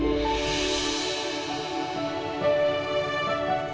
ya kamu temuin mereka